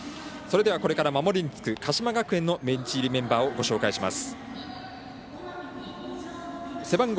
これから守りにつく鹿島学園のベンチ入りメンバーをご紹介します。